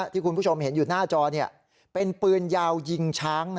ที่คุณผู้ชมเห็นอยู่หน้าจอเป็นปืนยาวยิงช้าง